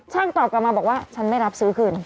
ตอบกลับมาบอกว่าฉันไม่รับซื้อคืน